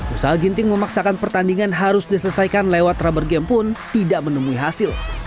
usaha ginting memaksakan pertandingan harus diselesaikan lewat rubber game pun tidak menemui hasil